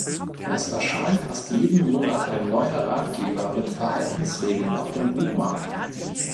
Es erscheint fast jeden Monat ein neuer Ratgeber mit Verhaltensregeln auf dem Buchmarkt.